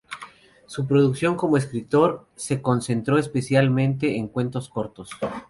Su producción como escritor se concentró especialmente en cuentos cortos.